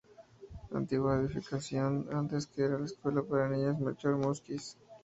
Antigua edificación que antes era la escuela para niñas Melchor Múzquiz.